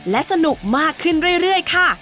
และสนุกมากขึ้นเรื่อยค่ะ